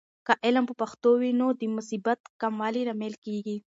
که علم په پښتو وي، نو د مصیبت د کموالي لامل کیږي.